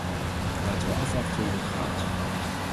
Laten we afwachten hoe het gaat.